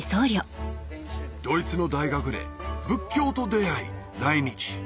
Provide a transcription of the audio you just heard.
ドイツの大学で仏教と出合い来日